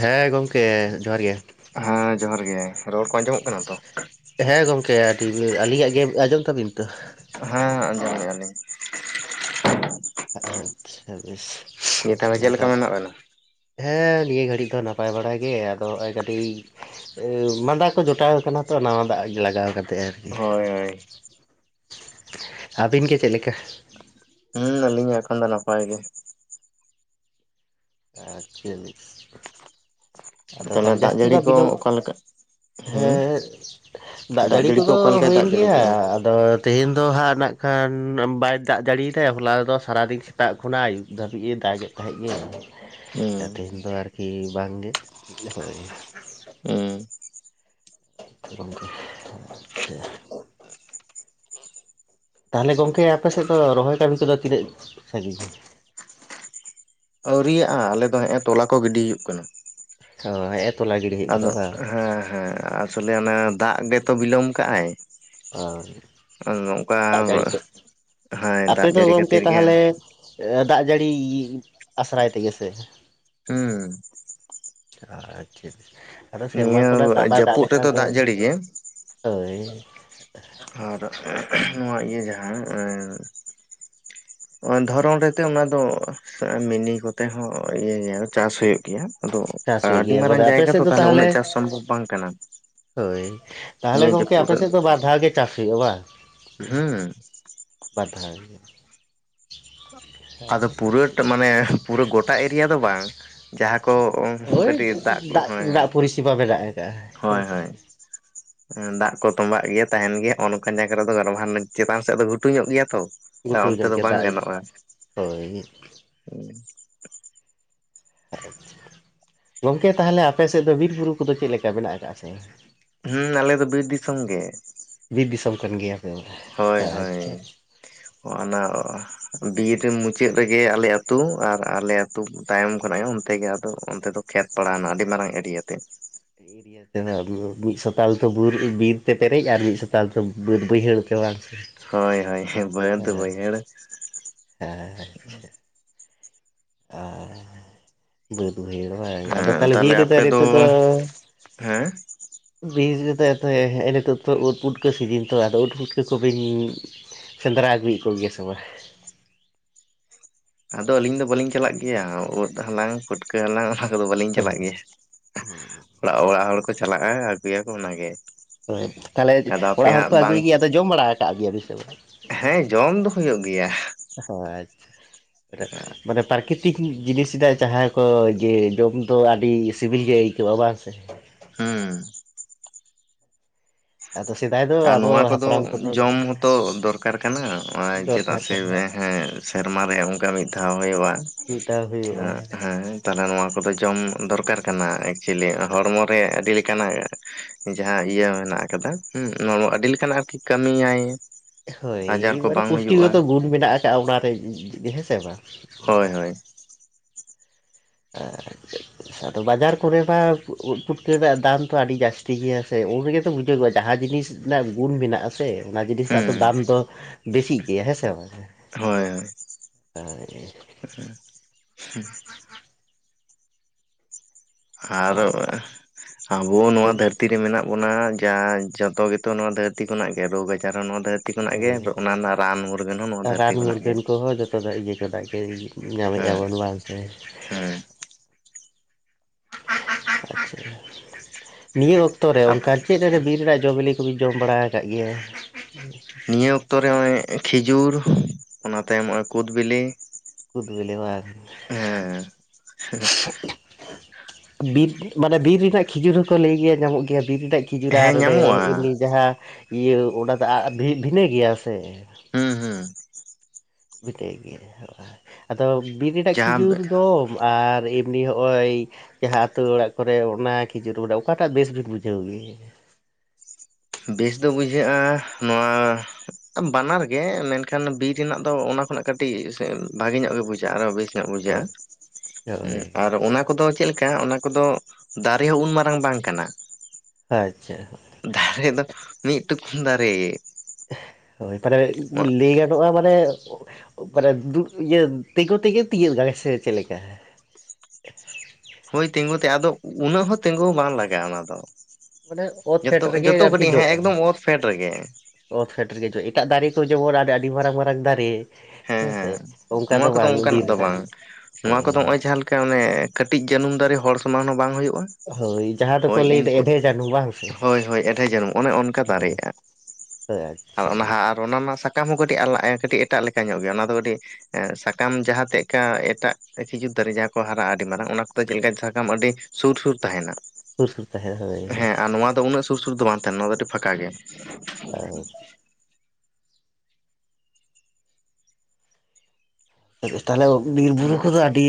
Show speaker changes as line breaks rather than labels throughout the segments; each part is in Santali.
ᱦᱮᱸ ᱜᱚᱝᱠᱮ ᱡᱚᱦᱟᱨ ᱜᱮ
ᱦᱟ ᱡᱚᱦᱟᱨ ᱜᱮ ᱨᱚᱲ ᱠᱚ ᱟᱡᱚᱢᱚ
ᱦᱮᱸ ᱜᱚᱝᱠᱮ ᱟᱹᱰᱤ ᱟᱹᱞᱤᱧᱟᱜ ᱜᱮ ᱟᱸᱡᱚᱢ ᱛᱟᱵᱤᱱ ᱛᱚ?
ᱦᱮᱸ ᱟᱸᱡᱚᱢᱮᱜᱼᱟ ᱞᱤᱧ᱾
ᱟᱪᱪᱷᱟ ᱵᱮᱥ
ᱫᱤᱭᱮ ᱛᱟᱦᱚᱞᱮ ᱪᱮᱫ ᱞᱮᱠᱟ
ᱱᱮᱛᱟᱨ
ᱢᱮᱱᱟᱜ ᱵᱮᱱᱟ?
ᱦᱮᱸ ᱱᱤᱭᱟᱹ ᱜᱷᱟᱹᱲᱤᱡ ᱫᱚ ᱱᱟᱯᱟᱭ ᱵᱟᱲ ᱜᱮ, ᱟᱫᱚ ᱱᱚᱜ-ᱚᱭ ᱠᱟᱴᱤᱡ ᱮ ᱢᱟᱫᱟ ᱠᱚ ᱡᱚᱴᱟᱣ ᱠᱟᱱᱟ ᱛᱚ ᱱᱟᱣᱟ ᱫᱟᱜ ᱞᱟᱜᱟᱣ ᱠᱟᱛᱮ ᱟᱨ
ᱦᱳᱭ ᱦᱳᱭ
ᱟᱹᱵᱤᱱ ᱜᱮ ᱪᱮᱫᱞᱮᱠᱟ?
ᱦᱩᱸ ᱟᱞᱤᱧ ᱦᱚᱸ ᱮᱠᱷᱚᱱ ᱫᱚ ᱱᱟᱯᱟᱭ ᱜᱮ᱾
ᱟᱴᱪᱟᱞᱞᱤᱥ, ᱟᱫᱚ ᱛᱟᱞᱦᱮ
ᱛᱟᱦᱚᱞᱮ ᱫᱟᱜ
ᱡᱟᱹᱥᱛᱤ
ᱡᱟᱹᱲᱤ
ᱵᱟᱝ ᱵᱤᱞᱚᱢ
ᱠᱚ ᱚᱠᱟᱞᱮᱠᱟ?
ᱦᱮᱸ, ᱫᱟᱜ ᱡᱟᱹᱲᱤ
ᱠᱚ
ᱠᱚᱫᱚ
ᱚᱠᱟ ᱞᱮᱠᱟᱭ
ᱦᱩᱭᱮᱱ
ᱫᱟᱜ ᱡᱟᱹᱲᱤ
ᱜᱮᱭᱟ
ᱠᱮᱜᱼᱟ?
ᱟ ᱫᱚ ᱛᱮᱤᱦᱮᱧ ᱫᱚ ᱦᱟᱸᱜ ᱱᱟᱜ ᱠᱷᱟᱱ ᱵᱟᱭ ᱫᱟᱜ ᱡᱟᱲᱤᱭᱫᱟᱭ ᱦᱚᱞᱟ ᱨᱮᱫᱚ ᱥᱟᱨᱟᱫᱤᱱ ᱥᱮᱛᱟᱜ ᱠᱷᱚᱱᱟᱜ ᱟᱹᱭᱩᱵ ᱫᱷᱟᱹᱵᱤᱡᱼᱮ ᱫᱟᱜᱮᱫ ᱛᱟᱦᱮᱸᱫ ᱜᱮ᱾
ᱦᱩᱸ
ᱛᱮᱦᱮᱧ ᱫᱚ ᱟᱨᱠᱤ ᱵᱟᱝᱜᱮ, ᱦᱳᱭ᱾
ᱦᱩᱸ᱾
ᱜᱚᱝᱠᱮ ᱟᱪᱪᱷᱟ᱾ ᱛᱟᱦᱚᱞᱮ ᱜᱚᱝᱠᱮ ᱟᱯᱮ ᱥᱮᱫ ᱫᱚ ᱨᱚᱦᱚᱭ ᱠᱟᱹᱢᱤ ᱠᱚᱫᱚ ᱛᱤᱱᱟᱹᱜ ᱥᱟᱸᱜᱤᱧ?
ᱟᱣᱨᱤᱭᱟᱜᱼᱟ ᱟᱞᱮ ᱫᱚ ᱦᱮᱜ-ᱮᱸ ᱛᱚᱞᱟ ᱠᱚ ᱜᱤᱰᱤ ᱦᱩᱭᱩᱜ ᱠᱟᱱᱟ᱾
ᱦᱳᱭ᱾
ᱟᱫᱚ ᱦᱮᱸ ᱦᱮᱸ ᱟᱥᱚᱞᱮ ᱚᱱᱟ ᱫᱟᱜ ᱜᱮᱛᱚ ᱵᱤᱞᱚᱢ ᱠᱟᱜ-ᱟᱭ᱾
ᱚ
ᱟ ᱱᱚᱝᱠᱟ
ᱫᱟᱜ ᱡᱟᱹᱲᱤ ᱠᱚ
ᱦᱳᱭ ᱫᱟᱜ ᱡᱟᱹᱲᱤ ᱠᱷᱟᱹᱛᱤᱨ ᱜᱮ᱾
ᱮ ᱫᱟᱜ ᱡᱟᱹᱲᱤ ᱟᱥᱨᱟᱭ ᱛᱮᱜᱮ ᱥᱮ᱾
ᱦᱩᱸ᱾
ᱟᱪᱪᱷᱟ ᱟᱫᱚ ᱥᱮᱨᱢᱟ
ᱱᱤᱭᱟᱹ
ᱠᱷᱚᱱᱟᱜ ᱫᱟᱜ ᱵᱟᱭ ᱫᱟᱜ
ᱡᱟᱹᱯᱩᱫ
ᱞᱮᱠᱷᱟᱱ
ᱨᱮᱫᱚ
ᱫᱚ᱾
ᱡᱟᱹᱲᱤ ᱜᱮ
ᱦᱳᱭ᱾
ᱟᱨ ᱱᱚᱣᱟ ᱤᱭᱟᱹ ᱡᱟᱦᱟᱸ ᱮᱸ᱾
[inaudible]
ᱦᱚᱸᱜᱼᱚᱭ ᱫᱷᱚᱨᱚᱢ ᱨᱮᱛᱮᱫ ᱚᱱᱟ ᱫᱚ᱾ ᱢᱤᱱᱤ ᱠᱚᱛᱮ ᱦᱚᱸ ᱤᱭᱟᱹ ᱜᱮᱭᱟ ᱪᱟᱥ ᱦᱩᱭᱩᱜ ᱜᱮᱭᱟ᱾ ᱟᱫᱚ ᱟ
ᱪᱟᱥ ᱦᱩᱭᱩᱜ
ᱟᱹᱰᱤ
ᱜᱮᱭᱟ
ᱢᱟᱨᱟᱝ
ᱢᱟᱱᱮ ᱟᱯᱮ
ᱡᱟᱭᱜᱟ
ᱥᱮᱫ
ᱛᱚ
ᱫᱚ
ᱛᱟᱦᱚᱞᱮ ᱩᱱᱟᱹᱜ ᱪᱟᱥ ᱥᱚᱢᱵᱷᱚᱵ ᱵᱟᱝ ᱠᱟᱱᱟ᱾
ᱦᱳᱭ, ᱛᱟᱦᱞᱮ
ᱱᱤᱭᱟᱹ
ᱜᱚᱝᱠᱮ
ᱡᱟᱹᱯᱩᱫ
ᱟᱯᱮ ᱥᱮᱫ ᱫᱚ ᱵᱟᱨ ᱫᱷᱟᱣ ᱜᱮ ᱪᱟᱥ ᱦᱩᱭᱩᱜᱼᱟ ᱵᱟᱝ?
ᱦᱩᱸ᱾
ᱵᱟᱨ ᱫᱷᱟᱣ ᱜᱮ᱾
ᱟᱫᱚ ᱯᱩᱨᱟᱹᱴ ᱢᱟᱱᱮ ᱯᱩᱨᱟᱹ ᱜᱚᱴᱟ ᱮᱨᱤᱭᱟ ᱫᱚ ᱵᱟᱝ᱾ ᱡᱟᱦᱟᱸ ᱠᱚ
ᱦᱳᱭ
ᱠᱟᱹᱴᱤᱡ ᱠᱚ
ᱫᱟᱜ
ᱦᱳᱭ
ᱨᱮᱱᱟᱜ ᱯᱚᱨᱤᱥᱮᱵᱟ ᱢᱮᱱᱟᱜ ᱟᱠᱟᱜᱼᱟ ᱦᱮᱸ ᱥᱮ᱾ [inaudible]
ᱩᱸ ᱫᱟᱜ ᱠᱚ ᱛᱚᱸᱵᱟᱜ ᱜᱮᱭᱟ ᱛᱟᱦᱮᱱ ᱜᱮᱭᱟ ᱚ ᱱᱚᱝᱠᱟᱱ ᱡᱟᱭᱜᱟ ᱨᱮᱫᱚ [unintelligible] ᱪᱮᱛᱟᱱ ᱥᱮᱫ ᱫᱚ ᱜᱷᱩᱴᱩ ᱧᱚᱜ ᱜᱮᱭᱟ ᱛᱚ᱾
ᱜᱷᱩᱴᱩ
ᱚᱱᱛᱮ
ᱧᱚᱜ
ᱫᱚ
ᱠᱮᱫ
ᱵᱟᱝ
ᱫᱟᱜ, ᱦᱳᱭ᱾
ᱩᱸ᱾
ᱜᱚᱝᱠᱮ ᱛᱟᱦᱚᱞᱮ ᱟᱯᱮ ᱥᱮᱫ ᱫᱚ ᱵᱤᱨ ᱵᱩᱨᱩ ᱠᱚᱫᱚ ᱪᱮᱫ ᱞᱮᱠᱟ ᱢᱮᱱᱟᱜ ᱟᱠᱟᱜᱼᱟ ᱥᱮ ᱵᱟᱝ?
ᱦᱩᱸ ᱟᱞᱮ ᱫᱚ ᱵᱤᱨ ᱫᱤᱥᱚᱢ ᱜᱮ᱾
ᱵᱤᱨ ᱫᱤᱥᱚᱢ ᱠᱟᱱ ᱜᱮᱭᱟᱯᱮ ᱵᱚᱞᱮ, ᱟᱪᱪᱷᱟ ᱪᱷᱟ᱾
ᱦᱚᱸᱜ-ᱚ ᱱᱟ ᱵᱤᱨ ᱢᱩᱪᱟᱹᱫ ᱨᱮᱜᱮ ᱟᱞᱮ ᱟᱹᱛᱩ ᱟᱨ ᱟᱞᱮ ᱟᱛ ᱛᱟᱭᱚᱢ ᱠᱷᱚᱱᱟᱜ ᱜᱮ ᱚᱱᱛᱮᱜᱮ ᱟᱫᱚ ᱚᱱᱛᱮ ᱫᱚ ᱠᱷᱮᱛ ᱯᱟᱲᱟᱣᱱᱟ ᱟᱹᱰᱤ ᱢᱟᱨᱟᱝ ᱮᱨᱤᱭᱟ ᱛᱮ᱾
ᱮᱨᱤᱭᱟ᱾ ᱢᱤᱫ ᱥᱯᱟᱞ ᱫᱚ ᱵᱤᱨᱛᱮ ᱯᱮᱨᱮᱡ ᱟᱨ ᱢᱤᱫ ᱥᱚᱛᱟᱞ ᱫᱚ ᱵᱟᱹᱫᱽ ᱵᱟᱹᱭᱦᱟᱹᱲ ᱛᱮ ᱵᱟᱝ? ᱥᱮ
ᱦᱳᱭ ᱦᱳᱭ ᱵᱟᱹᱚ
ᱦᱮᱸ
ᱵᱟᱹᱭᱦᱟᱲᱼᱼ
ᱚᱻ ᱵᱟᱹᱫ ᱵᱟᱹᱭᱦᱟᱹᱲ ᱵᱟᱝ ᱟᱫᱚ
ᱦᱮᱸ
ᱛᱟᱦᱞᱮ ᱵᱤᱨ
ᱛᱟᱦᱚᱞᱮ
ᱨᱮᱫᱚ
ᱟᱯᱮ ᱫᱚ
ᱱᱤᱛᱳᱜ ᱫᱚᱼᱼ
ᱦᱮᱸ
ᱵᱤᱥ ᱨᱤᱫᱚ ᱮᱛᱚ ᱦᱮᱜ ᱮ ᱱᱤᱛᱳᱜ ᱫᱚ ᱩᱫ ᱯᱩᱴᱠᱟᱹ ᱥᱤᱡᱤᱱ ᱛᱚ ᱟᱫᱚ ᱩᱫ ᱯᱩᱴᱠᱟᱹ ᱠᱚᱵᱤᱱᱼᱼ ᱥᱮᱸᱫᱽᱨᱟ ᱟᱜᱩᱭᱮᱫ ᱠᱚ ᱜᱮᱭᱟ ᱥᱮ ᱵᱟ?
ᱟᱫᱚ ᱟᱹᱞᱤᱧ ᱫᱚ ᱵᱟᱹᱞᱤᱧ ᱪᱟᱞᱟᱜ ᱜᱮᱭᱟ ᱳᱫ ᱦᱟᱞᱟᱝ ᱯᱟᱹᱴᱠᱟᱹ ᱦᱟᱞᱟᱝᱼᱼ ᱠᱚᱫᱚ ᱵᱟᱹᱞᱤᱧ ᱪᱟᱞᱟᱜ
ᱦᱳᱭ
ᱜᱮᱭᱟ ᱚᱲᱟᱜ ᱚᱲᱟᱜ ᱦᱚᱲ ᱠᱚ ᱪᱟᱞᱟᱜᱼᱟ ᱟᱹᱜᱩᱭᱟᱠᱚ ᱚᱱᱟᱜᱮ?
ᱦᱳᱭ ᱛᱟᱦᱞᱮ
ᱟᱫᱚ ᱟᱯᱮ
ᱚᱲᱟᱜ ᱦᱚᱲ ᱠᱚ
ᱦᱟᱸᱜ ᱵᱟᱝ
ᱟᱹᱜᱩᱭ ᱜᱤᱭᱟ ᱟᱫᱚ ᱡᱚᱢ ᱵᱟᱲᱟ ᱠᱟᱜ ᱜᱤᱭᱟ ᱵᱤᱱ ᱥᱮ ᱵᱟᱝ?
ᱦᱮᱸ ᱡᱚᱢ ᱫᱚ ᱦᱳᱭᱳᱜ ᱜᱤᱭᱟ᱾
ᱦᱚᱸ ᱟᱪᱪᱷᱟ ᱢᱟᱱᱮ ᱯᱟᱨᱠᱤᱛᱼᱼ ᱛᱤᱠ ᱡᱤᱱᱤᱥᱫᱟᱭ ᱡᱟᱦᱟᱸᱭ ᱠᱚ ᱡᱮ ᱡᱚᱢ ᱫᱚ ᱟᱰᱤ ᱥᱤᱵᱤᱞ ᱜᱮ ᱟᱹᱭᱠᱟᱹᱜᱼᱟ ᱵᱟᱝ ᱥᱮ?
ᱦᱩᱸ᱾
ᱟᱫᱚ ᱥᱮᱫᱟᱭ ᱫᱚ
ᱟᱨ
ᱟᱵᱚ
ᱱᱚᱣᱟ ᱠᱚᱫᱚ
ᱦᱟᱯᱲᱟᱢ
ᱡᱚᱢ ᱦᱚᱸᱛᱚ ᱫᱚᱨᱠᱟᱨ ᱠᱟᱱᱟ
ᱫᱚᱨᱠᱟᱨ
ᱪᱮᱫᱟᱜ ᱥᱮ
ᱠᱟᱱᱟ
ᱦᱮᱸ᱾ ᱥᱮᱨᱢᱟ ᱨᱮ ᱚᱱᱠᱟ ᱢᱤᱫ ᱫᱷᱟᱣ ᱦᱳᱭᱳᱜᱼᱟ
ᱢᱤᱫ ᱫᱷᱟᱣ ᱦᱩᱭᱩᱜᱼᱟ
ᱦᱮᱸ᱾ ᱛᱟᱦᱞᱮ ᱱᱚᱣᱟ ᱠᱚᱫᱚ ᱡᱚᱢ ᱫᱚᱨᱠᱟᱨ ᱠᱟᱱᱟ ᱮᱠᱪᱩᱭᱮᱞᱤ ᱦᱚᱲᱢᱚ ᱨᱮ ᱟᱹᱰᱤ ᱞᱤᱠᱟᱱᱟᱜᱼᱼ ᱡᱟᱦᱟᱸ ᱤᱭᱟᱹ ᱢᱮᱱᱟᱜ ᱠᱟᱫᱟ ᱦᱩᱸ ᱱᱚᱶᱟ ᱢᱟ ᱟᱹᱰᱤ ᱞᱤᱠᱟᱱᱟᱜ ᱟᱨᱠᱤ ᱠᱟᱹᱢᱤᱭᱟᱭ᱾ ᱟᱡᱟᱨ
ᱦᱳᱭ
ᱠᱚ
ᱢᱟᱱᱮ
ᱵᱟᱝ ᱦᱩᱭᱩᱜᱼᱟ
ᱯᱩᱥᱴᱤᱜᱚᱛᱚ ᱜᱩᱱ ᱢᱮᱱᱟᱜ ᱠᱟᱜᱼᱟ ᱚᱱᱟᱨᱮ ᱦᱮᱸᱥᱮ ᱵᱟᱝ?
ᱦᱳᱭ ᱦᱳᱭ᱾
ᱦᱮᱸᱼᱼ ᱟᱫᱚ ᱵᱟᱡᱟᱨ ᱠᱚᱨᱮ ᱢᱟ ᱩᱫ ᱯᱩᱴᱠᱟᱹ ᱨᱮᱱᱟᱜ ᱫᱟᱢ ᱛᱷᱚ ᱟᱰᱤ ᱡᱟᱥᱛᱤ ᱜᱤᱭᱟ ᱥᱮ ᱩᱱ ᱨᱮᱜᱮ ᱛᱚ ᱵᱩᱡᱚᱜᱚᱜᱼᱟ ᱡᱟᱦᱟᱸ ᱡᱤᱱᱤᱥᱼᱼ ᱨᱮᱱᱟᱜ ᱜᱩᱱ ᱢᱮᱱᱟᱜᱼᱟᱼᱼ ᱥᱮ ᱚᱱᱟ ᱡᱤᱱᱤᱥᱴᱟᱜ ᱫᱚ
ᱦᱩᱸ
ᱫᱟᱢ ᱫᱚ ᱵᱮᱥᱤᱜ ᱜᱮᱭᱟ ᱦᱮᱸᱥᱮ ᱵᱟᱝ? ᱟᱨᱼᱼ
ᱦᱩᱸ᱾
[inaudible]
ᱟᱨ ᱟᱵᱳ ᱱᱚᱣᱟ ᱫᱷᱟᱹᱨᱼᱼ ᱛᱤ ᱨᱮ ᱢᱮᱱᱟᱜ ᱵᱚᱱᱟ ᱡᱟ ᱡᱚᱛᱚ ᱜᱮᱛᱚ ᱱᱚᱣᱟ ᱫᱷᱟᱹᱨᱛᱤ ᱠᱷᱚᱱᱟᱜ ᱜᱮ ᱨᱳᱜᱽ ᱟᱡᱟᱨ ᱦᱚᱸ ᱱᱚᱣᱟ ᱫᱷᱟᱹᱨᱛᱤᱼᱼ ᱛᱤ ᱠᱷᱚᱱᱟᱜ ᱜᱮ
ᱦᱳᱭ
ᱚᱱᱟ ᱨᱮᱱᱟᱜ ᱨᱟᱱ ᱢᱩᱨᱜᱟᱹᱱ ᱦᱚᱸ ᱱᱚᱣᱟ ᱫᱷᱟᱹᱨᱛᱤ ᱠᱷᱚᱱᱟᱜ ᱜᱮ᱾
ᱠᱚ ᱫᱟ ᱤᱭᱟᱹ ᱠᱟᱫᱟᱜ ᱜᱮ ᱧᱟᱢᱮᱜ
ᱦᱮᱸ
ᱟᱵᱚᱱ ᱵᱟᱝ ᱥᱮ?
ᱦᱮᱸ᱾
ᱟᱪᱪᱷᱟ ᱱᱤᱭᱟᱹ ᱚᱠᱛᱚᱨᱮ ᱚᱱᱠᱟ ᱪᱮᱜ ᱨᱮᱱᱟᱜ ᱵᱤᱨ ᱨᱮᱱᱟᱜ ᱡᱚ ᱵᱤᱞᱤᱼᱼ ᱡᱚᱢ ᱵᱟᱲᱟ ᱠᱟᱜ ᱜᱮᱭᱟᱭ᱾
ᱱᱤᱭᱟᱹ ᱚᱠᱛᱚᱨᱮ ᱦᱚᱜᱚᱭ ᱠᱷᱤᱡᱩᱨ ᱚᱱᱟ ᱛᱟᱭᱚᱢ ᱱᱚᱜᱚᱭ ᱠᱩᱫ ᱵᱮᱞᱮ᱾
ᱠᱩᱫ ᱵᱤᱞᱤ ᱵᱟᱝ? ᱵᱤᱨ ᱢᱟᱱᱮ ᱵᱤᱨ ᱨᱤᱱᱟᱜ ᱠᱷᱤᱡᱩᱨ ᱦᱚᱸᱠᱚ ᱞᱟᱹᱭ ᱜᱮᱭᱟ ᱧᱟᱢᱚᱜ ᱜᱮᱭᱟ ᱵᱤᱨ ᱨᱮᱱᱟᱜᱼᱼ ᱠᱷᱤᱡᱩᱨ ᱟᱨ
ᱦᱮᱸ
ᱚᱸᱰᱮ
ᱧᱟᱢᱚᱜᱼᱟ
ᱦᱮᱜᱱᱤ ᱡᱟᱦᱟᱸ ᱤᱭᱟᱹ ᱚᱱᱟ ᱫᱚ ᱟ ᱵᱷᱤ ᱵᱷᱤᱱᱟᱹ ᱜᱤᱭᱟ ᱥᱮᱼᱼ
ᱦᱩᱸ ᱦᱩᱸ᱾
ᱢᱤᱫᱴᱮᱡ ᱜᱮ ᱟᱫᱚ ᱵᱤᱨ ᱨᱤᱱᱟᱜ
ᱡᱟᱦᱟᱸ
ᱠᱷᱤᱡᱩᱨ ᱫᱚᱼᱼ ᱟᱨ ᱮᱢᱱᱤ ᱦᱚᱜᱼᱚᱭᱼᱼ ᱡᱟᱦᱟᱸ ᱟᱹᱛᱳ ᱚᱲᱟᱜ ᱠᱚᱨᱮ ᱚᱱᱟ ᱠᱷᱤᱡᱩᱨ ᱢᱟᱱᱮ ᱚᱠᱟᱴᱟᱜ ᱵᱮᱥ ᱵᱤᱱ ᱵᱩᱡᱷᱟᱹᱣ ᱜᱤᱼᱼ
ᱵᱮᱥ ᱫᱚ ᱵᱩᱡᱷᱟᱹᱜᱼᱟ ᱱᱚᱣᱟᱼᱼ ᱵᱟᱸᱱᱟᱨ ᱜᱮ ᱢᱮᱱᱠᱷᱟᱱ ᱵᱤᱨ ᱨᱤᱱᱟᱜ ᱫᱚ ᱚᱱᱟ ᱠᱷᱚᱱᱟᱜ ᱠᱟᱹᱴᱤᱡ ᱥᱮ ᱵᱷᱟᱜᱮ ᱧᱚᱜ ᱜᱮ ᱵᱩᱡᱟᱹᱜᱼᱟ ᱟᱨᱚ ᱵᱮᱥᱤᱼᱼ ᱧᱚᱜ ᱵᱩᱡᱷᱟᱹᱜᱼᱟ
ᱦᱳᱭ
ᱟᱨ
ᱦᱳᱭ
ᱚᱱᱟᱼᱼ ᱠᱚᱫᱚ ᱪᱮᱜ ᱞᱮᱠᱟ ᱚᱱᱟ ᱠᱚᱫᱚ ᱫᱟᱨᱮ ᱦᱚᱸ ᱩᱱ ᱢᱟᱨᱟᱝ ᱵᱟᱝ ᱠᱟᱱᱟ᱾
ᱟᱪᱪᱷᱟ᱾
ᱫᱟᱨᱮ ᱫᱚ ᱢᱤᱫ ᱴᱩᱠᱩᱱ ᱫᱟᱨᱮ᱾
ᱦᱳᱭ ᱛᱟᱦᱞᱮ ᱞᱟᱹᱭ ᱜᱟᱱᱚᱜᱼᱟ ᱢᱟᱱᱮ ᱢᱟᱱᱮ ᱫᱩᱲᱩᱜ ᱤᱭᱟᱹ ᱛᱮᱸᱜᱳ ᱛᱮᱜᱮ ᱛᱤᱭᱳᱜ ᱜᱟᱭ ᱥᱮ ᱪᱮᱜ ᱞᱮᱠᱟ?
ᱦᱳᱭ ᱛᱮᱸᱜᱳ ᱛᱮ ᱟᱫᱚ ᱩᱱᱟᱹᱜ ᱦᱚᱸ ᱛᱮᱸᱜᱳ ᱦᱚᱸ ᱵᱟᱝ ᱞᱟᱜᱟᱜᱼᱟ ᱚᱱᱟ ᱫᱚ᱾
ᱢᱟᱱᱮ ᱚᱛ
ᱡᱚᱛᱚ
ᱯᱷᱮᱰ ᱨᱮᱜᱮ
ᱡᱚᱛᱚ
ᱟᱨᱠᱤ
ᱠᱟᱹᱴᱤᱡ ᱦᱮᱸ
ᱡᱚᱜᱼᱟ
ᱮᱠᱫᱚᱢ ᱚᱛ ᱯᱷᱮᱸᱰ ᱨᱮᱜᱮ᱾
ᱚᱛ ᱯᱷᱮᱰ ᱨᱤᱜᱤ ᱡᱚ ᱮᱴᱟᱜ ᱫᱟᱨᱮ ᱠᱚ ᱡᱮᱢᱚᱱ ᱟᱰᱤ ᱢᱟᱨᱟᱝ ᱢᱟᱨᱟᱝ ᱫᱟᱨᱮ᱾
ᱦᱮᱸ
ᱦᱮᱸᱥᱮ
ᱦᱮᱸ
ᱚᱱᱠᱟ
ᱱᱚᱣᱟ
ᱫᱚ
ᱠᱚᱫᱚ
ᱵᱟᱝ ᱵᱤᱨ
ᱚᱱᱠᱟᱱᱟᱜ ᱫᱚ
ᱨᱮᱱᱟᱜ
ᱵᱟᱝ ᱱᱚᱣᱟ
ᱦᱳᱭ
ᱠᱚᱫᱚ ᱱᱚᱜ ᱚᱭ ᱡᱟᱦᱟᱸ ᱞᱮᱠᱟ ᱚᱱᱮ ᱠᱟᱹᱴᱤᱡ ᱡᱟᱹᱱᱩᱢ ᱫᱟᱨᱮ ᱦᱚᱲ ᱥᱚᱢᱟᱱ ᱦᱚᱸ ᱵᱟᱝ ᱦᱩᱭᱩᱜ-ᱟ᱾
ᱦᱳᱭ ᱡᱟᱦᱟᱸ ᱫᱚᱠᱚ ᱞᱟᱹᱭᱫᱟ ᱮᱵᱷᱮ ᱡᱟᱱᱩᱢ ᱵᱟᱝ ᱥᱮ?
ᱦᱳᱭ ᱦᱳᱭ ᱮᱰᱷᱮ ᱡᱟᱹᱱᱩᱢ ᱚᱱᱮ ᱚᱱᱠᱟ
ᱦᱮ
ᱫᱟᱨᱮᱜᱼᱟ
ᱦᱳᱭ
ᱟᱨ
ᱟᱪᱪᱷᱟ᱾
ᱚᱱᱟ ᱟᱨ ᱚᱱᱟ ᱢᱟ ᱥᱟᱠᱟᱢ ᱦᱚᱸ ᱠᱟᱹᱴᱤᱡ ᱟᱞᱟ ᱮᱸ ᱠᱟᱹᱴᱤᱡ ᱮᱴᱟᱜ ᱞᱮᱠᱟ ᱧᱚᱜ ᱜᱮᱭᱟ ᱚᱱᱟ ᱫᱚ ᱠᱟᱹᱴᱤᱡ ᱥᱟᱠᱟᱢ ᱡᱟᱦᱟᱸ ᱛᱮᱫ ᱠᱟ ᱮᱴᱟᱜ ᱠᱷᱤᱡᱩᱨ ᱫᱟᱨᱮ ᱡᱟᱦᱟᱸ ᱠᱚ ᱦᱟᱨᱟᱜ-ᱟ ᱟᱹᱰᱤ ᱢᱟᱨᱟᱝ ᱚᱱᱟ ᱠᱚᱫᱚ ᱪᱮᱫᱞᱮᱠᱟ ᱥᱟᱠᱟᱢ ᱟᱹᱰᱤ ᱥᱩᱨ ᱥᱩᱨ ᱛᱟᱦᱮᱱᱟ
ᱥᱩᱨ ᱛᱟᱦᱮᱸ ᱦᱳᱭ
ᱦᱮᱸ ᱟᱨ ᱱᱚᱣᱟ ᱫᱚ ᱩᱱᱟᱹᱜ ᱥᱩᱨ ᱥᱩᱨ ᱫᱚ ᱵᱟᱝ ᱛᱟᱦᱮᱱᱟ ᱱᱚᱣᱟ ᱫᱚ ᱟᱹᱰᱤ ᱯᱷᱟᱸᱠᱟ ᱜᱮ᱾
[inaudible] ᱛᱟᱦᱚᱞᱮ ᱵᱤᱨ ᱵᱩᱨᱩ ᱠᱚᱫᱚ ᱟᱹᱰᱤ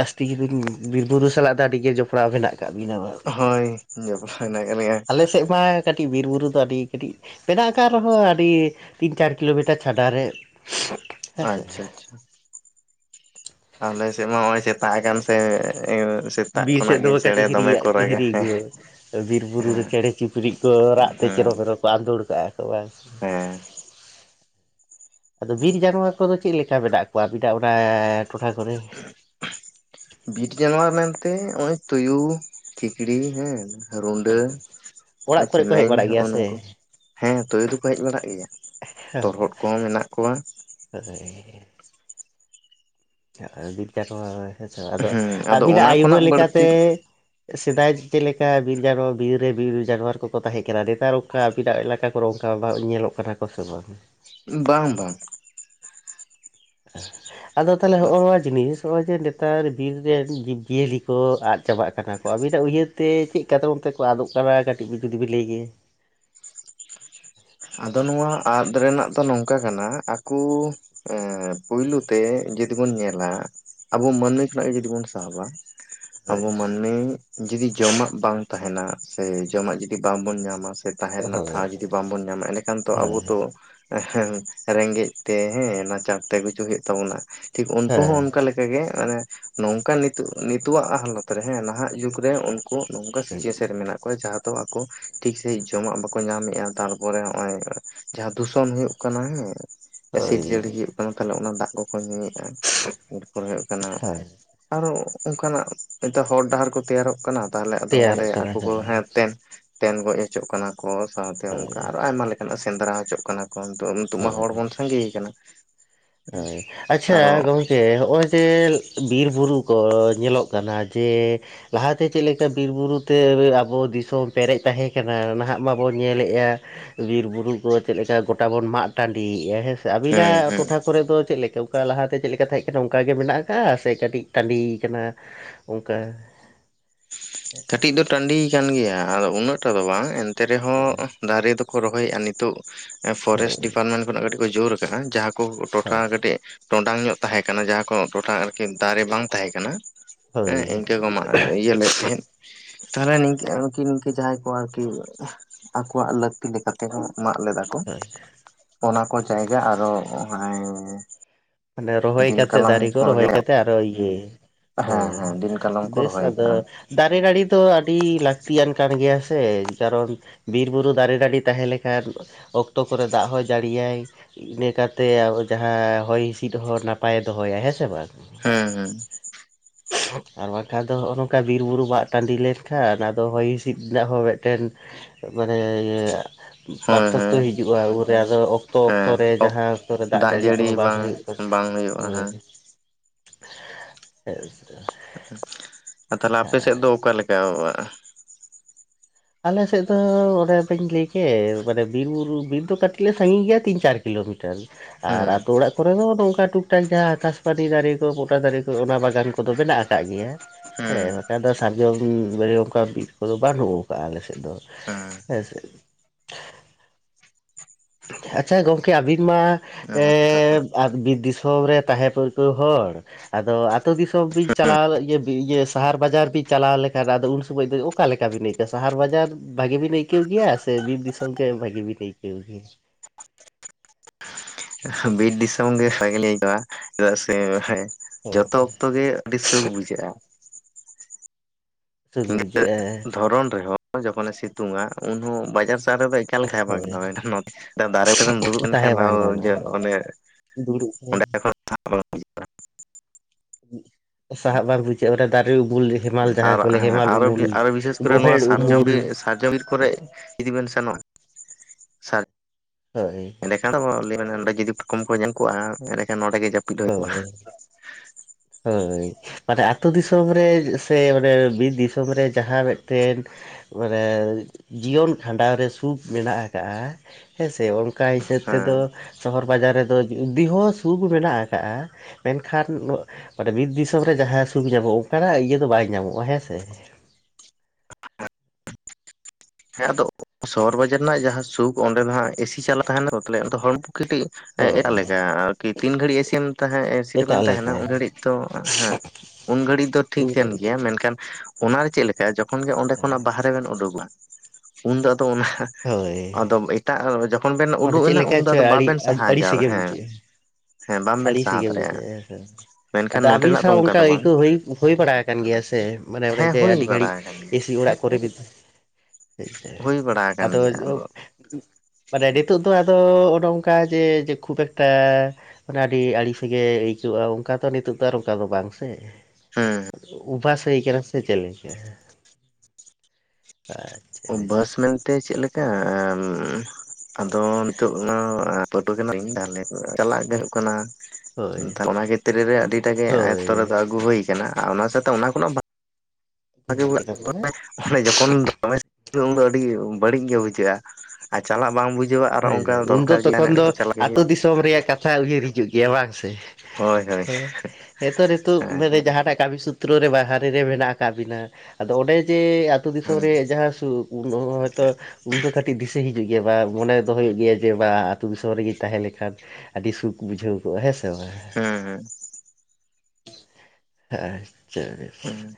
ᱡᱟᱹᱥᱛᱤ ᱜᱤᱵᱤᱱ ᱵᱤᱨ ᱵᱩᱨᱩ ᱥᱟᱞᱟᱜ ᱫᱚ ᱟᱹᱰᱤ ᱜᱮ ᱡᱚᱯᱲᱟᱣ ᱢᱮᱱᱟᱜ ᱠᱟᱜ ᱵᱤᱱᱟ ᱵᱟᱝ?
ᱦᱚᱭ ᱡᱚᱯᱲᱟᱣ ᱢᱟᱴᱮᱱᱟᱜᱠᱟᱜ ᱞᱤᱧᱟ᱾
ᱟᱞᱮ ᱥᱮᱪ ᱢᱟ ᱠᱟᱹᱴᱤᱡ ᱵᱤᱨ ᱵᱩᱨᱩ ᱫᱚ ᱟᱹᱰᱤ ᱠᱟᱹᱴᱤᱡ ᱢᱮᱱᱟᱜ ᱟᱠᱟᱫ ᱨᱮᱦᱚᱸ ᱟᱹᱰᱤ ᱛᱤᱱ ᱪᱟᱨ ᱠᱤᱞᱳᱢᱤᱴᱟᱨ ᱪᱷᱟᱰᱟ ᱨᱮ᱾ [inaudible]
ᱟᱪᱪᱷᱟ ᱟᱪᱪᱷᱟ᱾ ᱟᱞᱮ ᱥᱮᱪ ᱢᱟ ᱱᱚᱜ ᱚᱭ ᱥᱮᱛᱟᱜ ᱟᱠᱟᱱ ᱥᱮ ᱥᱮ ᱮᱸ ᱥᱮᱛᱟᱜ
ᱵᱤᱨ
ᱠᱷᱚᱱᱟᱜ
ᱥᱮᱫ ᱫᱚ
ᱜᱮ ᱪᱮᱬᱮ
ᱠᱟᱹᱴᱤᱡ
ᱫᱚᱢᱮ ᱠᱚ
ᱦᱤᱨᱤᱭᱟᱜ
ᱨᱟᱜᱟ
ᱦᱤᱨᱤ
ᱦᱮᱸ, ᱦᱮᱸ᱾
ᱪᱤᱯᱨᱤᱡ ᱠᱚ ᱨᱟᱜ ᱛᱮ
ᱦᱮᱸ
ᱪᱮᱨᱚ ᱵᱮᱨᱚ ᱠᱚ ᱟᱸᱫᱳᱲ ᱠᱟᱜ-ᱟ ᱠᱚ ᱵᱟᱝ ᱥᱮ?
ᱦᱮᱸ᱾
ᱟᱫᱚ ᱵᱤᱨ ᱡᱟᱱᱚᱣᱟᱨ ᱠᱚᱫᱚ ᱪᱮᱫ ᱞᱮᱠᱟ ᱢᱮᱱᱟᱜ ᱠᱚᱣᱟ ᱟᱵᱤᱱᱟᱜ ᱚᱱᱟ ᱴᱚᱴᱷᱟ ᱠᱚᱨᱮ
[inaudible] ᱵᱤᱴ ᱡᱟᱱᱣᱟᱨ ᱢᱮᱱᱛᱮ ᱱᱚᱜ ᱚᱭ ᱛᱩᱭᱩ ᱠᱷᱤᱠᱲᱤ ᱦᱮᱸ᱾ ᱨᱩᱸᱰᱟᱹ ᱟᱨ
ᱚᱲᱟᱜ ᱠᱚᱨᱮ ᱠᱚ ᱦᱮᱡ
ᱪᱮᱱᱮᱧ
ᱵᱟᱲᱟᱜ ᱜᱮᱭᱟ
ᱱᱚᱜ-ᱚᱭ
ᱥᱮ
ᱱᱚᱝᱠᱩ, ᱦᱮᱸ ᱛᱩᱭᱩ ᱫᱚᱠᱚ ᱦᱮᱡ ᱵᱟᱲᱟᱜ ᱜᱮᱭᱟ᱾ ᱛᱚᱨᱦᱚᱫ ᱠᱚᱦᱚᱸ ᱢᱮᱱᱟᱜ ᱠᱚᱣᱟ᱾
ᱦᱳᱭ᱾ ᱦᱮ ᱟᱨ ᱵᱤᱨ ᱡᱟᱱᱣᱟᱨ ᱦᱮᱥᱮ ᱟᱫᱚ ᱦᱮᱸᱪᱚ ᱟᱫᱚ
ᱦᱮᱸ ᱟᱫᱚ
ᱟᱹᱵᱤᱱᱟᱜ
ᱚᱱᱟ
ᱟᱭ ᱩᱢᱟᱹᱱ
ᱠᱷᱚᱱᱟᱜ ᱵᱟᱹᱲᱛᱤ
ᱞᱮᱠᱟᱛᱮ ᱥᱮᱫᱟᱭ ᱪᱮᱫ ᱞᱮᱠᱟ ᱵᱤᱨ ᱡᱟᱱᱣᱟᱨ ᱵᱤᱨ ᱨᱮ ᱵᱤᱨ ᱡᱟᱱᱣᱟᱨ ᱠᱚᱠᱚ ᱛᱟᱦᱮᱸ ᱠᱟᱱᱟ ᱱᱮᱛᱟᱨ ᱚᱱᱠᱟ ᱟᱹᱵᱤᱱᱟᱜ ᱮᱞᱟᱠᱟ ᱯᱚᱨᱚ ᱚᱱᱠᱟ ᱵᱟᱝ ᱧᱮᱞᱚᱜ ᱠᱟᱱᱟ ᱠᱚ ᱥᱮ ᱵᱟᱝ?
ᱵᱟᱝ ᱵᱟᱝ᱾
ᱟᱫᱚ ᱛᱟᱦᱚᱞᱮ ᱦᱚᱜ-ᱚ ᱱᱚᱣᱟ ᱡᱤᱱᱤᱥ ᱱᱚᱜ-ᱚᱭ ᱡᱮ ᱱᱮ ᱱᱮᱛᱟᱨ ᱵᱤᱨ ᱨᱮᱱ ᱡᱤᱵᱽᱡᱤᱭᱟᱹᱞᱤ ᱠᱚ ᱟᱫ ᱪᱟᱵᱟᱜ ᱠᱟᱱᱟ ᱠᱚ ᱟᱵᱤᱱᱟᱜ ᱩᱭᱦᱟᱹᱨ ᱛᱮ ᱪᱮᱫ ᱪᱤᱠᱟᱹᱛᱮ ᱚᱱᱛᱮ ᱠᱚ ᱟᱫᱚᱜ ᱠᱟᱱᱟ ᱠᱟᱹᱴᱤᱡ ᱡᱩᱫᱤ ᱵᱤᱱ ᱞᱟᱹᱭ ᱜᱮᱭᱟ?
ᱟᱫᱚ ᱱᱚᱣᱟ ᱟᱫ ᱨᱮᱱᱟᱜ ᱫᱚ ᱱᱚᱝᱠᱟ ᱠᱟᱱᱟ ᱟᱠᱚ ᱮᱻ ᱯᱩᱭᱞᱩ ᱛᱮ ᱡᱩᱫᱤ ᱵᱚᱱ ᱧᱮᱞᱟ ᱟᱵᱚ ᱢᱟᱹᱱᱢᱤ ᱠᱷᱚᱱᱟᱜ ᱜᱮ ᱡᱩᱫᱤ ᱵᱚᱱ ᱥᱟᱵᱟ᱾ ᱟᱵᱚ ᱢᱟᱹᱱᱢᱤ ᱡᱩᱫᱤ ᱡᱚᱢᱟᱜ ᱵᱟᱝ ᱛᱟᱦᱮᱱᱟ ᱥᱮ ᱡᱚᱢᱟᱜ ᱡᱩᱫᱤ ᱵᱟᱝᱵᱚᱱ ᱧᱟᱢᱟ ᱥᱮ ᱛᱟᱦᱮᱸ ᱨᱮᱱᱟᱜ
ᱦᱳᱭ
ᱴᱷᱟᱶ ᱡᱩᱫᱤ ᱵᱟᱝᱵᱚᱱ ᱧᱟᱢᱟ ᱮᱸᱰᱮᱠᱷᱟᱱ ᱛᱚ ᱟᱵᱚ ᱛᱚ ᱨᱮᱸᱜᱮᱡ ᱛᱮ ᱦᱮᱸ ᱱᱟᱪᱟᱨ ᱛᱮ ᱜᱩᱡᱩᱜ ᱦᱩᱭᱩᱜ ᱛᱟᱵᱚᱱᱟ᱾ ᱴᱷᱤᱠ ᱩᱱᱠᱩ
ᱦᱳᱭ
ᱦᱚᱸ ᱚᱱᱠᱟ ᱞᱮᱠ ᱚᱱᱠᱮ ᱢᱟᱱᱮ ᱱᱚᱝᱠᱟ ᱱᱤᱛᱚᱜ ᱱᱤᱛᱚᱜ ᱟᱜ ᱦᱟᱞᱚᱛ ᱨᱮ ᱦᱮᱸ ᱱᱟᱦᱟᱜ ᱡᱩᱜᱽ ᱨᱮ ᱚᱱ ᱠᱚᱸᱜ ᱱᱚᱝᱠᱟ
ᱦᱮᱸ
ᱥᱤᱪᱩᱭᱮᱥᱚᱱ ᱨᱮ ᱢᱮᱱᱟᱜ ᱠᱚᱣᱟ ᱡᱟᱦᱟᱸ ᱫᱚ ᱟᱠᱚ ᱴᱷᱤᱠ ᱥᱟᱹᱦᱤᱡ ᱡᱚᱢᱟᱜ ᱵᱟᱠᱚ ᱧᱟᱢᱮᱫ-ᱟ ᱛᱟᱨᱯᱚᱨᱮ [unintelligible] ᱡᱟᱦᱟᱸ ᱫᱷᱩᱥᱚᱱ ᱦᱩᱭᱩᱜ ᱠᱟᱱᱟ ᱦᱮᱸ
ᱦᱳᱭ
ᱥᱤᱨᱡᱟᱹᱲᱤ ᱜᱮ ᱾ ᱟᱫᱚ ᱛᱟᱦᱚᱞᱮ ᱚᱱᱟ ᱫᱟᱜ ᱠᱚᱠᱚ ᱧᱩᱭᱮᱜ-ᱟ ᱮᱨᱯᱚᱨᱮ ᱦᱩᱭᱩᱜ ᱠᱟᱱᱟ
ᱦᱳᱭ
᱾ ᱟᱨᱚ ᱚᱱᱠᱟᱱᱟᱜ ᱱᱤᱛᱟᱨ ᱦᱚᱨ ᱰᱟᱦᱟᱨ ᱠᱚ ᱛᱮᱭᱟᱨᱚᱜ ᱠᱟᱱᱟ ᱾ ᱛᱟᱦᱚᱞᱮ ᱟᱫᱚ ᱚᱸᱰᱮ
ᱛᱮᱭᱟᱨᱚᱜ ᱠᱟᱱᱟ
ᱟᱠᱚ ᱠᱚ ᱦᱮᱸ ᱛᱮᱱ, ᱛᱮᱱ ᱜᱚᱡ ᱦᱚᱪᱚᱜ ᱠᱟᱱᱟ ᱠᱚ ᱥᱟᱶᱛᱮ
ᱦᱳᱭ
ᱚᱱᱠᱟ ᱚᱱᱠᱟ ᱞᱮᱠᱟᱱᱟᱜ ᱥᱮᱸᱫᱽᱨᱟ ᱦᱚᱪᱚᱜ ᱠᱟᱱᱟ ᱠᱚ ᱱᱤᱛᱚᱜ ᱱᱤᱛᱚᱜ ᱢᱟ
ᱦᱳᱭ
ᱦᱚᱲ ᱵᱚᱱ ᱥᱟᱸᱜᱮ ᱟᱠᱟᱱᱟ ᱾
ᱦᱳᱭ ᱟᱪᱪᱷᱟ ᱜᱚᱝᱠᱮ ᱦᱚᱜ-ᱚᱭ ᱥᱮᱞ ᱵᱤᱨ ᱵᱩᱨᱩ ᱠᱚ ᱧᱮᱞᱚᱜ ᱠᱟᱱᱟ ᱡᱮ ᱞᱟᱦᱟᱛᱮ ᱪᱮᱞᱠᱟ ᱵᱤᱨ ᱵᱩᱨᱩᱛᱮ ᱟᱵᱚ ᱫᱤᱥᱚᱢ ᱯᱮᱨᱮᱡ ᱛᱟᱦᱮᱸ ᱠᱟᱱᱟ ᱱᱟᱦᱟᱜ ᱢᱟᱵᱚᱱ ᱧᱮᱞᱮᱜ-ᱟ ᱾ ᱵᱤᱨ ᱵᱩᱨᱩ ᱠᱚ ᱪᱮᱞᱠᱟ ᱜᱚᱴᱟ ᱵᱚᱱ ᱢᱟᱜ ᱴᱟᱺᱰᱤᱭᱮᱜ-ᱟ ᱦᱮᱸᱥᱮ
ᱦᱮᱸ
ᱟᱵᱤᱱᱟᱜ
ᱦᱮᱸ
ᱴᱚᱴᱷᱟ ᱠᱚᱨᱮ ᱫᱚ ᱪᱮᱫ ᱞᱮᱠᱟ ᱚᱱᱠᱟ ᱞᱟᱦᱟᱛᱮ ᱪᱮᱜ ᱞᱮᱠᱟ ᱛᱟᱦᱮᱸ ᱠᱟᱱᱟ ᱚᱱᱠᱟ ᱜᱮ ᱢᱮᱱᱟᱜ ᱠᱟᱜᱼᱟ ᱥᱮ ᱠᱟᱹᱴᱤᱡ ᱴᱟᱹᱰᱤᱭ ᱠᱟᱱᱟ? ᱚᱱᱠᱟ
ᱠᱟᱹᱴᱤᱡ ᱫᱚ ᱴᱟᱺᱰᱤᱭ ᱠᱟᱱ ᱜᱮᱭᱟ ᱟᱫᱚ ᱩᱱᱟᱹᱜᱴᱟ ᱫᱚ ᱵᱟᱝ ᱮᱱᱛᱮ ᱨᱮᱦᱚᱸ ᱫᱟᱨᱮ ᱫᱚᱠᱚ ᱨᱚᱦᱚᱭᱮᱜᱼᱟ ᱱᱤᱛᱚᱜ
ᱦᱳᱭ
ᱯᱷᱚᱨᱮᱥᱴ ᱰᱤᱯᱟᱨᱴᱢᱮᱱᱴ ᱠᱷᱚᱱᱟᱜ ᱠᱟᱹᱴᱤᱡ ᱠᱚ ᱡᱳᱨ ᱠᱟᱜ-ᱟ ᱡᱟᱦᱟᱸ ᱠᱩ ᱴᱚᱴᱷᱟ ᱠᱟᱹᱴᱤᱡ ᱴᱚᱸᱰᱟᱝ ᱧᱚᱜ ᱛᱟᱦᱮᱸ ᱠᱟᱱᱟ ᱡᱟᱦᱟᱸ ᱠᱚ ᱴᱚᱴᱷᱟ ᱟᱨᱠᱤ ᱫᱟᱨᱮ ᱵᱟᱝ ᱛᱟᱦᱮᱸ ᱠᱟᱱᱟ ᱾ ᱮᱸ
ᱦᱳᱭ
ᱤᱱᱠᱟᱹ ᱠᱚ ᱢᱟᱜ ᱤᱭᱟᱹ ᱞᱮᱫ ᱛᱮᱦᱮᱸᱫ ᱾ ᱛᱟᱦᱚᱞᱮ ᱱᱤᱝᱠᱟᱹ ᱟᱨᱠᱤ ᱱᱤᱝᱠᱟᱹ ᱡᱟᱦᱟᱸᱭ ᱠᱚ ᱟᱨᱠᱤ ᱟᱠᱚᱣᱟᱜ ᱞᱟᱹᱠᱛᱤ ᱞᱮᱠᱟᱛᱮ ᱦᱚᱸ ᱢᱟᱜ ᱞᱮᱫᱟ ᱠᱚ
ᱦᱳᱭ
ᱚᱱᱟ ᱠᱚ ᱡᱟᱭᱜᱟ ᱟᱨᱚ ᱦᱟᱸᱜ ᱟᱭ
ᱢᱟᱱᱮ ᱨᱚᱦᱚᱭ ᱠᱟᱛᱮᱜ ᱫᱟᱹᱨᱤ ᱠᱚ ᱨᱚᱦᱚᱭ ᱠᱟᱛᱮ ᱟᱨᱚ ᱤᱭᱟᱹ
ᱦᱮᱸ
ᱦᱳᱭ
ᱦᱮᱸ ᱫᱤᱱ ᱠᱟᱞᱚᱢ ᱠᱚ
ᱵᱮᱥ
ᱨᱚᱦᱚᱭ
ᱟᱫᱚ
ᱠᱟᱜᱼᱟ
ᱫᱟᱨᱮ ᱱᱟᱹᱲᱤ ᱫᱚ ᱟᱹᱰᱤ ᱞᱟᱹᱠᱛᱤᱭᱟᱱ ᱠᱟᱱ ᱜᱮᱭᱟ ᱥᱮ ᱠᱟᱨᱚᱱ ᱵᱤᱨᱼᱵᱩᱨᱩ ᱫᱟᱨᱮ ᱱᱟᱹᱰᱤ ᱛᱟᱦᱮᱸ ᱞᱮᱠᱷᱟᱱ ᱚᱠᱛᱚ ᱠᱚᱨᱮ ᱫᱟᱜ ᱦᱚᱸᱭ ᱡᱟᱹᱲᱤᱭᱟᱭ ᱾ ᱤᱱᱟᱹ ᱠᱟᱛᱮ ᱟᱵᱚ ᱡᱟᱦᱟᱸ ᱦᱚᱭ ᱦᱤᱥᱤᱫ ᱦᱚᱸ ᱱᱟᱯᱟᱭᱮ ᱫᱚᱦᱚᱭᱟ ᱦᱮᱸ ᱥᱮ ᱵᱟᱝ?
ᱦᱮᱸ ᱦᱮᱸ ᱾
ᱟᱨ ᱵᱟᱝᱠᱷᱟᱱ ᱫᱚ ᱦᱚᱜᱼᱚ ᱱᱚᱝᱠᱟ ᱵᱤᱨᱼᱵᱩᱨᱩ ᱢᱟᱜ ᱴᱟᱺᱰᱤ ᱞᱮᱱᱠᱷᱟᱱ ᱟᱫᱚ ᱦᱚᱭ ᱦᱤᱸᱥᱤᱫ ᱨᱮᱱᱟᱜ ᱦᱚᱸ ᱢᱤᱫᱴᱮᱱ ᱢᱟᱱᱮ [unintelligible]
ᱦᱳᱭ
ᱯᱟᱨᱛᱷᱚᱠᱠᱚ
ᱦᱳᱭ
ᱦᱤᱡᱩᱜᱼᱟ ᱩᱱᱨᱮ ᱟᱫᱚ ᱚᱠᱛᱚ ᱚᱠᱛᱚ ᱨᱮ
ᱦᱮᱸ
ᱡᱟᱦᱟᱸ ᱚᱠᱛᱚ ᱨᱮ ᱫᱟᱜ ᱡᱟᱹᱲᱤ ᱠᱚᱦᱚᱸ ᱵᱟᱝ ᱦᱩᱭᱩᱜ ᱠᱟᱱᱟ
ᱵᱟᱝ ᱦᱩᱭᱩᱜᱼᱟ ᱦᱮᱸ
ᱦᱳᱭ
᱾
[inaudible]
ᱟᱨ ᱛᱟᱦᱚᱞᱮ ᱟᱯᱮ ᱥᱮᱫ ᱫᱚ ᱚᱠᱟᱞᱮᱠᱟ?
ᱟᱞᱮᱥᱮᱫ ᱫᱚ ᱚᱸᱱᱮ ᱵᱟᱹᱧ ᱞᱟᱹᱭ ᱠᱮᱜ ᱢᱟᱱᱮ ᱵᱤᱨᱵᱩᱨᱩ ᱵᱤᱨ ᱫᱚ ᱠᱟᱹᱴᱤᱡ ᱞᱮ ᱥᱟᱹᱜᱤᱧ ᱜᱮᱭᱟ ᱛᱤᱱ ᱪᱟᱨ ᱠᱤᱞᱳᱢᱤᱴᱟᱨ ᱾ ᱟᱨ
ᱦᱮᱸ
ᱟᱹᱛᱩ ᱚᱲᱟᱜ ᱠᱚᱨᱮ ᱫᱚ ᱱᱚᱝᱠᱟ ᱴᱩᱠ ᱴᱟᱠ ᱡᱟᱦᱟᱸ ᱟᱠᱟᱥᱯᱟᱱᱤ ᱫᱟᱨᱮ ᱠᱚ ᱢᱚᱴᱟ ᱫᱟᱨᱮ ᱠᱚ ᱚᱱᱟ ᱵᱟᱜᱟᱱ ᱠᱚᱫᱚ ᱢᱮᱱᱟᱜ ᱠᱟᱜ ᱜᱮᱭᱟ ᱾ ᱦᱮᱸ ᱵᱟᱠᱷᱟᱱ ᱫᱚ ᱥᱟᱨᱡᱚᱢ ᱵᱤ-ᱵᱤᱨ ᱠᱚᱫᱚ ᱚᱱᱠᱟ ᱵᱤᱨ ᱠᱚᱫᱚ ᱵᱟᱹᱱᱩᱜ ᱠᱟᱫᱟ ᱟᱞᱮ ᱥᱮᱜ ᱫᱚ ᱾
ᱦᱮᱸ
ᱦᱮᱸ ᱥᱮ ᱟᱪᱪᱷᱟ ᱜᱚᱝᱠᱮ ᱟᱵᱤᱱ ᱢᱟ
ᱦᱮᱸ
ᱮᱸ ᱟᱜ-ᱵᱤᱨ ᱫᱤᱥᱚᱢ ᱨᱮ ᱛᱟᱦᱮᱸ ᱯᱟᱹ ᱠᱟᱹᱣ ᱦᱚᱲ ᱾ ᱟᱫᱚ ᱟᱛᱳ ᱫᱤᱥᱚᱢ ᱵᱤᱱ ᱪᱟᱞᱟᱣ ᱤᱭᱟᱹ ᱤᱭᱟᱹ ᱥᱟᱦᱟᱨ ᱵᱟᱡᱟᱨ ᱵᱤᱱ ᱪᱟᱞᱟᱣ ᱞᱮᱠᱷᱟᱱ ᱟᱫᱚ ᱩᱱ ᱥᱚᱢᱚᱭ ᱫᱚ ᱚᱠᱟᱞᱮᱠᱟ ᱵᱤᱱ ᱟᱹᱭ ᱥᱟᱦᱟᱨ ᱵᱟᱡᱟᱨ ᱵᱷᱟᱹᱜᱤ ᱵᱤᱱ ᱟᱹᱭᱠᱟᱹᱣ ᱜᱮᱭᱟ ᱥᱮ ᱵᱤᱨ ᱫᱤᱥᱚᱢ ᱜᱮ ᱵᱷᱟᱹᱜᱤ ᱵᱤᱱ ᱟᱹᱭᱠᱟᱹᱣ ᱜᱮᱭᱟ?
ᱵᱤᱨ ᱫᱤᱥᱚᱢ ᱜᱮ ᱵᱷᱟᱹᱜᱤᱞᱤᱧ ᱟᱹᱭᱠᱟᱹᱣᱟ ᱪᱮᱫᱟᱜ ᱥᱮ ᱡᱚᱛᱚ ᱡᱚᱛᱚ ᱜᱮ ᱟᱹᱰᱤ ᱥᱩᱠ ᱵᱩᱡᱷᱟᱹᱜᱼᱟ ᱾
ᱥᱩᱠ ᱵᱩᱡᱷᱟᱹᱜᱼᱟ
ᱫᱷᱚᱨᱚᱱ ᱨᱮᱦᱚᱸ ᱡᱚᱠᱷᱚᱱᱮ ᱥᱤᱛᱩᱝᱟ ᱩᱱᱦᱚᱸ ᱵᱟᱡᱟᱨ ᱥᱟᱦᱟᱨ ᱨᱮᱫᱚ ᱮᱠᱟᱞ ᱛᱟᱦᱮᱸᱱ ᱵᱟᱝ
ᱦᱳᱭ
ᱜᱟᱱᱚᱜ-ᱟ ᱫᱟᱨᱮ ᱠᱩᱴᱟᱹᱨᱮᱢ ᱫᱩᱲᱩᱵ ᱮᱱᱠᱷᱟᱱ
ᱛᱟᱦᱮᱸ ᱵᱟᱝ ᱜᱟᱱᱚᱜᱼᱟ
ᱚᱱᱮ
ᱫᱩᱲᱩᱵ ᱦᱮᱸ
[inaudible]
ᱥᱟᱦᱟᱜ ᱵᱟᱝ ᱵᱩᱡᱷᱟᱹᱜᱼᱟ [unintelligible] ᱫᱟᱨᱮ ᱩᱢᱩᱞ ᱦᱮᱢᱟᱞ ᱡᱟᱦᱟᱸ
ᱟᱨ
ᱠᱚ ᱞᱮᱭᱟ
ᱦᱮᱸ
ᱦᱮᱢᱟᱞ
ᱟᱨᱚ
ᱩᱢᱩᱞ
ᱟᱨᱚ ᱵᱤᱥᱮᱥ ᱠᱚᱨᱮ ᱱᱚᱣᱟ
ᱜᱚᱵᱷᱮᱲ
ᱥᱟᱨᱡᱚᱢ
ᱩᱢᱩᱞ
ᱵᱤᱨ ᱥᱟᱨᱡᱚᱢ ᱵᱤᱨ ᱠᱚᱨᱮ ᱡᱩᱫᱤ ᱵᱮᱱ ᱥᱮᱱᱚᱜ ᱥᱟᱨ
ᱦᱳᱭ
ᱮᱸᱰᱮᱠᱷᱟᱱ ᱫᱚ ᱞᱟᱹᱭ ᱱᱚᱰᱮ ᱡᱩᱫᱤ ᱯᱚᱠᱚᱢ ᱠᱚ ᱧᱮᱞ ᱠᱚᱜᱼᱟ ᱮᱸᱰᱮᱠᱷᱟᱱ ᱱᱚᱸᱰᱮ ᱜᱮ ᱡᱟᱹᱯᱤᱫ ᱦᱩᱭ ᱠᱚᱜᱼᱟ᱾
ᱦᱳᱭ ᱦᱳᱭ ᱢᱟᱱᱮ ᱟᱹᱛᱩ ᱫᱤᱥᱚᱢ ᱨᱮ ᱥᱮ ᱢᱟᱱᱮ ᱵᱤᱨ ᱫᱤᱥᱚᱢ ᱨᱮ ᱡᱟᱦᱟᱸ ᱢᱤᱜᱴᱮᱱ ᱢᱟᱱᱮ ᱡᱤᱭᱚᱱ ᱠᱷᱟᱸᱰᱟᱣ ᱨᱮ ᱥᱩᱠ ᱢᱮᱱᱟᱜ ᱠᱟᱜᱼᱟ ᱦᱮᱸ ᱥᱮ ᱠᱟᱭ ᱦᱤᱥᱟᱹᱵ ᱛᱮᱫᱚ
ᱦᱮᱸ
ᱥᱚᱦᱚᱨ ᱵᱟᱡᱟᱨ ᱨᱮᱫᱚ ᱡᱩᱫᱤ ᱦᱚ ᱥᱩᱠ ᱢᱮᱱᱟᱜ ᱠᱟᱜᱼᱟ ᱢᱮᱱᱟᱠᱷᱟᱱ ᱢᱟᱱᱮ ᱵᱤᱨ ᱫᱤᱥᱚᱢ ᱨᱮ ᱡᱟᱦᱟᱸ ᱥᱩᱠ ᱧᱟᱢᱚᱜᱼᱟ ᱚᱱᱠᱟᱱᱟᱜ ᱤᱭᱟᱹ ᱫᱚ ᱵᱟᱭ ᱧᱟᱢᱚᱜᱼᱟ ᱦᱮᱸ ᱥᱮ᱾
ᱦᱮᱸ ᱟᱫᱚ ᱥᱚᱦᱚᱨ ᱵᱟᱡᱟᱨ ᱨᱮᱱᱟᱜ ᱡᱟᱦᱟᱸ ᱥᱩᱠ ᱚᱸᱰᱮ ᱫᱚ ᱦᱟᱸᱜ ᱮᱥᱤ ᱪᱟᱞᱟᱣ ᱛᱟᱦᱮᱸ ᱱᱟᱛᱚ ᱦᱚᱲᱢᱚ ᱠᱟᱹᱴᱤᱜ
ᱦᱳᱭ
ᱮᱴᱟᱜ ᱞᱮᱠᱟ ᱟᱨᱠᱤ ᱛᱤᱱ ᱜᱷᱟᱹᱲᱤᱜ ᱮᱥᱤᱢ ᱛᱟᱦᱮᱸ ᱮᱥᱤ ᱨᱮᱢ
ᱮᱴᱟᱜ
ᱛᱟᱦᱮᱸᱱᱟ
ᱞᱮᱠᱟ
ᱩᱱ ᱜᱷᱟᱹᱲᱤᱜ ᱛᱚ ᱦᱮᱸ ᱩᱱ ᱜᱷᱟᱹᱲᱤᱜ ᱫᱚ ᱴᱷᱤᱠ
ᱚᱱᱠᱟ
ᱠᱟᱱ ᱜᱮᱭᱟ ᱢᱮᱱᱠᱷᱟᱱ ᱚᱱᱟᱨᱮ ᱪᱮᱫᱞᱮᱠᱟ ᱡᱚᱠᱷᱚᱱ ᱜᱮ ᱚᱸᱰᱮ ᱠᱷᱚᱱᱟᱜ ᱵᱟᱦᱨᱮ ᱵᱤᱱ ᱚᱰᱳᱜᱚᱜ-ᱟ ᱩᱱᱫᱚ ᱟᱫᱚ ᱚᱱᱟ,
ᱦᱳᱭ
ᱫᱚᱢ ᱮᱴᱟᱜ ᱚ ᱡᱚᱠᱷᱚᱱ ᱵᱮᱱ
ᱚᱸᱰᱮ
ᱩᱰᱩᱠ
ᱪᱮᱜ
ᱮᱱᱟ
ᱞᱮᱠᱟ
ᱩᱱᱫᱚ
ᱪᱚ
ᱟᱫᱚ
ᱟᱹᱲᱤ
ᱵᱟᱵᱮᱱ
ᱟᱹᱰ
ᱥᱟᱦᱟ
ᱟᱹᱲᱤᱥ
ᱡᱟᱣᱨᱟ
ᱜᱮ
ᱦᱮᱸ
ᱵᱩᱡᱷᱟᱹᱜᱼᱟ᱾
ᱦᱮᱸ ᱵᱟᱝᱵᱮᱱ
ᱟᱹᱲᱤᱥ
ᱥᱟᱦᱟ
ᱜᱮ
ᱫᱟᱲᱮᱭᱟᱜᱼᱟ
ᱵᱩᱡᱷᱟᱜᱼᱟ ᱦᱮᱸ ᱥᱮ᱾
ᱢᱮᱱᱠᱷᱟᱱ
ᱟᱫᱚ ᱟᱹᱵᱤᱱ
ᱱᱚᱸᱰᱮᱱᱟᱜ ᱫᱚ
ᱥᱟᱶ ᱚᱱᱠᱟ
ᱫᱚ ᱵᱟᱝ
ᱟᱹᱭᱠᱟᱹᱣ ᱦᱩᱭ ᱦᱳᱭ ᱵᱟᱲᱟ ᱟᱠᱟᱱ ᱜᱮᱭᱟ ᱥᱮ ᱢᱟᱱᱮ ᱚᱱᱮ
ᱦᱮᱸ
ᱡᱮ
ᱦᱩᱭ
ᱟᱹᱰᱤ
ᱵᱟᱲᱟ
ᱜᱷᱟᱹᱲᱤᱜ
ᱟᱠᱟᱱ ᱜᱮᱭᱟ
ᱮᱥᱤ ᱚᱲᱟᱜ ᱠᱚᱨᱮ ᱜᱮ ᱦᱮᱸᱥᱮ
ᱦᱩᱭ ᱵᱟᱲᱟ ᱟᱠᱟᱱ
ᱟᱫᱚ
ᱜᱮᱭᱟ
ᱢᱟᱱᱮ ᱱᱤᱛᱚᱜ ᱫᱚ ᱟᱫᱚ ᱚᱱᱮ ᱚᱱᱠᱟ ᱡᱮ ᱡᱮ ᱠᱷᱩᱵ ᱮᱠᱴᱟ ᱢᱟᱱᱮ ᱟᱹᱰᱤ ᱟᱹᱲᱤᱥ ᱜᱮ ᱟᱹᱭᱠᱟᱹᱜᱼᱟ ᱚᱱᱠᱟ ᱫᱚ ᱱᱤᱛᱳ ᱫᱚ ᱟᱨ ᱚᱱᱠᱟ ᱫᱚ ᱵᱟᱝ ᱥᱮ᱾
ᱦᱮᱸ,
ᱚᱵᱷᱟᱥ ᱦᱩᱭ ᱠᱟᱱᱟ ᱥᱮ ᱪᱮᱫ ᱞᱮᱠᱟ? ᱟᱪᱪᱷᱟ ᱵᱮᱥ
ᱚᱵᱷᱟᱥ ᱢᱮᱱᱛᱮ ᱪᱮᱫᱞᱮᱠᱟ ᱟᱸ ᱟᱫᱚ ᱱᱤᱛᱚᱜ ᱫᱚ, [unintelligible] ᱠᱟᱱᱟᱞᱤᱧ ᱛᱟᱦᱚᱞᱮ ᱪᱟᱞᱟᱜ ᱜᱮ ᱦᱩᱭᱩᱜ ᱠᱟᱱᱟ᱾
ᱦᱳᱭ
[unintelligible] ᱚᱱᱟ ᱠᱷᱮᱛᱨᱮ ᱨᱮ ᱟᱹᱰᱤᱴᱟᱜ ᱜᱮ
ᱦᱳᱭ
ᱟᱭᱚᱛᱚ ᱨᱮᱫᱚ ᱟᱹᱜᱩ ᱦᱳᱭ ᱠᱟᱱᱟ, ᱚᱱᱟ ᱥᱟᱶᱛᱮ ᱚᱱᱟ ᱠᱷᱚᱱᱟᱜ ᱵᱟᱝ
ᱦᱳᱭ
[inaudible] ᱚᱱᱮ ᱡᱚᱠᱷᱚᱱ ᱫᱚᱢᱮ ᱥᱤᱛᱩᱝ ᱩᱱ ᱫᱚ ᱟᱹᱰᱤ ᱵᱟᱹᱲᱤᱜ ᱜᱮ ᱵᱩᱡᱷᱟᱹᱜᱼᱟ᱾ ᱟ ᱪᱟᱞᱟᱜ ᱵᱟᱝ ᱵᱩᱡᱷᱟᱹᱣᱟ ᱟᱨ ᱚᱱᱠᱟ ᱫᱚᱨᱠᱟᱨ ᱞᱮ ᱮᱱᱠᱷᱟᱱ ᱪᱟᱞᱟᱜ ᱜᱮ ᱦᱩᱭᱩᱜᱼᱟ᱾
ᱠᱚᱢ ᱨᱮᱭᱟᱜ ᱠᱟᱛ ᱦᱮᱸ ᱩᱭᱦᱟᱹᱨ ᱦᱤᱡᱩᱜ ᱜᱮᱭᱟ ᱵᱟᱝ ᱥᱮ,
ᱦᱳᱭ ᱦᱳᱭ
ᱦᱮᱸ ᱦᱮᱸᱛᱚ ᱱᱤᱛᱳ
ᱦᱮᱸ
ᱢᱟᱱᱮ ᱡᱟᱦᱟᱸᱴᱱᱟᱜ ᱠᱟᱹᱢᱤ ᱥᱩ ᱛᱨᱚ ᱨᱮ ᱵᱟᱦᱨᱮ ᱨᱮ ᱢᱮᱱᱟᱜ ᱟᱠᱟᱜ ᱵᱤᱱᱟ, ᱟᱫᱚ ᱚᱸᱰᱮ ᱡᱮ ᱟᱹᱛᱩ ᱫᱤᱥᱚᱢ
ᱦᱮᱸ
ᱨᱮ ᱡᱟᱦᱟᱸ ᱥᱩᱠ ᱛᱚ ᱩᱱᱫᱚ ᱠᱟᱹᱴᱤᱜ ᱫᱤᱥᱟᱹ ᱦᱤᱡᱩᱜ ᱜᱮᱭᱟ ᱵᱟ ᱢᱚᱱᱮ ᱫᱚᱦᱚ ᱦᱩᱭᱩᱜ ᱜᱮᱭᱟ ᱡᱮ ᱵᱟᱝ ᱟᱹᱛᱩ ᱫᱤᱥᱚᱢ ᱨᱮᱜᱮᱧ ᱛᱟᱦᱮᱸ ᱞᱮᱠᱷᱟᱱ ᱟᱹᱰᱤ ᱥᱩᱠ ᱵᱩᱡᱷᱟᱹᱣ ᱠᱚᱜᱼᱟ ᱦᱮᱸᱥᱮ ᱵᱟᱝ᱾
ᱦᱮᱸ ᱦᱮᱸ᱾
ᱦᱮᱸ ᱟᱪᱪᱷᱶᱟ ᱵᱮᱱ
ᱩᱸ